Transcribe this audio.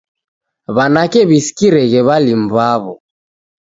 W'anake w'isikireghe w'alimu w'aw'o